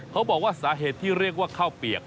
เขาบอกว่าสาเหตุที่เรียกว่าข้าวเปียก